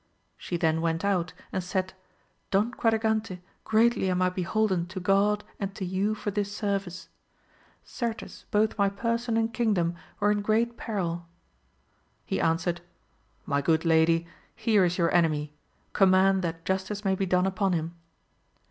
She then went out and said Don Quadragante, greatly am 1 beholden to God and to you for this service ! certes both my person and kingdom were in great peril He answered. My good lady here is your enemy, com mand that justice may be done upon him.